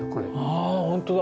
あほんとだ。